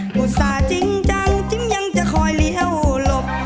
บุษเศษจริงจิ้มยังจะคอยเลี้ยวหลบ